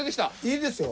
いいですよ。